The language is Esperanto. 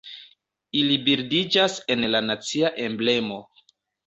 Ili bildiĝas en la nacia emblemo.